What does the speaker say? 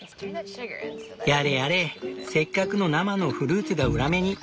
やれやれせっかくの生のフルーツが裏目に。